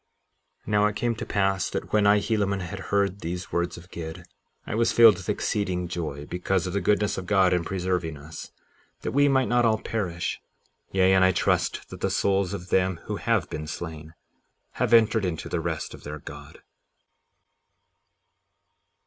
57:36 Now it came to pass that when I, Helaman, had heard these words of Gid, I was filled with exceeding joy because of the goodness of God in preserving us, that we might not all perish; yea, and I trust that the souls of them who have been slain have entered into the rest of their God.